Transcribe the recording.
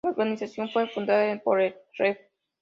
La organización fue fundada por el Rev.